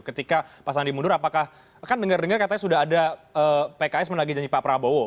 ketika pasangan dimundur apakah kan dengar dengar katanya sudah ada pks menanggi janji pak prabowo